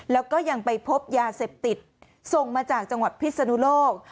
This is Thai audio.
แล้วก็ยังไปพบยาเสพติดส่งมาจากจังหวัดพิศนุโลก